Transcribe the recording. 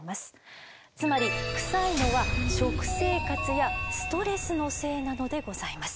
つまりクサいのは食生活やストレスのせいなのでございます。